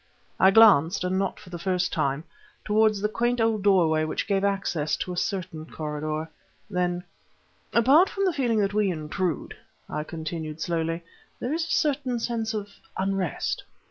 I glanced, and not for the first time, toward the quaint old doorway which gave access to a certain corridor. Then "Apart from the feeling that we intrude," I continued slowly, "there is a certain sense of unrest."